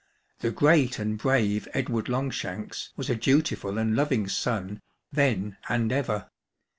The great and brave Edward Longshanks was a dutiful and loving son then and ever.